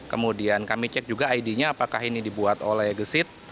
kemudian kami cek juga id nya apakah ini dibuat oleh gesit